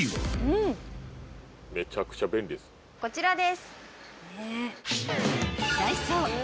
こちらです。